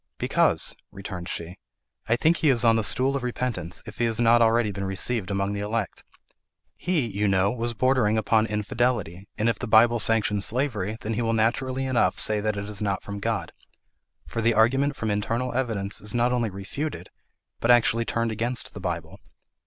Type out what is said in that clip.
"Because," returned she, "I think he is on the stool of repentance, if he has not already been received among the elect. He, you know, was bordering upon infidelity, and if the Bible sanctions slavery, then he will naturally enough say that it is not from God; for the argument from internal evidence is not only refuted, but actually turned against the Bible.